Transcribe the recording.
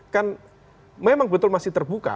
kan memang betul masih terbuka